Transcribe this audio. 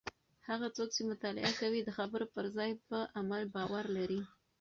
هغه څوک چې مطالعه کوي د خبرو پر ځای په عمل باور لري.